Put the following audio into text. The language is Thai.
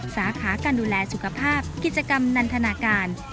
สาขาการดูแลสุขภาพกิจกรรมนันทนาการ